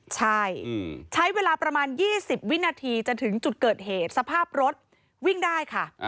ใช่ใช้เวลาประมาณ๒๐วินาทีจะถึงจุดเกิดเหตุสภาพรถวิ่งได้ค่ะ